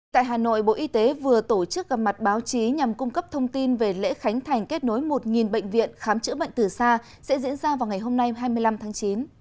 tại hà nội bộ y tế vừa tổ chức gặp mặt báo chí nhằm cung cấp thông tin về lễ khánh thành kết nối một bệnh viện khám chữa bệnh từ xa sẽ diễn ra vào ngày hôm nay hai mươi năm tháng chín